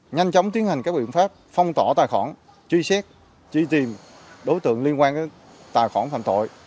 nhanh chóng tiến hành các biện pháp phong tỏ tài khoản truy xét truy tìm đối tượng liên quan tới tài khoản phạm tội